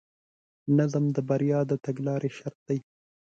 نظم د بریا د تګلارې شرط دی.